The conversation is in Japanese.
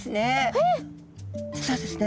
実はですね